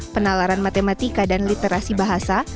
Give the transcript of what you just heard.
penalaran matematika dan literasi bahasa